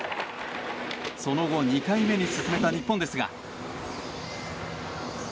その後、２回目に進めた日本ですが。